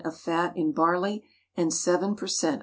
of fat in barley, and 7 per cent.